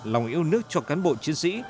lòng yêu nước cho cán bộ chiến sĩ